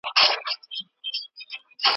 په ټوله کلي کې د دوو خبرو څوک نه لري